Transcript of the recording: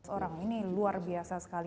orang ini luar biasa sekali